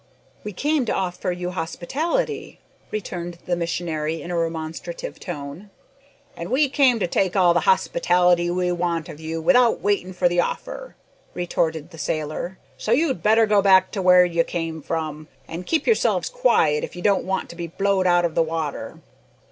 "We came to offer you hospitality," returned the missionary in a remonstrative tone. "An' we came to take all the hospitality we want of you without waitin' for the offer," retorted the sailor, "so you'd better go back to where you came from, an' keep yourselves quiet, if ye don't want to be blowed out o' the water."